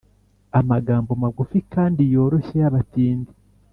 amagambo magufi kandi yoroshye yabatindi.